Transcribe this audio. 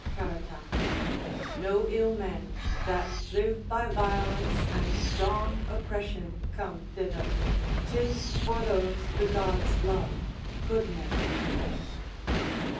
Caratach No ill men, That live by violence and strong oppression, Come thither: 'tis for those the gods love, good men.